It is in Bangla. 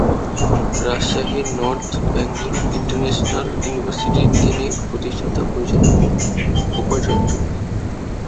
রাজশাহীর নর্থ বেঙ্গল ইন্টারন্যাশনাল ইউনিভার্সিটির তিনি প্রতিষ্ঠাতা উপাচার্য।